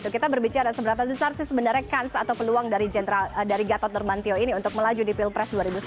kita berbicara seberapa besar sih sebenarnya kans atau peluang dari gatot nurmantio ini untuk melaju di pilpres dua ribu sembilan belas